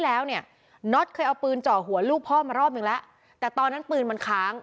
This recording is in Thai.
แล้วเนี่ยน็อตเคยเอาปืนเจาะหัวลูกพ่อมารอบหนึ่งแล้วแต่ตอนนั้นปืนมันค้าง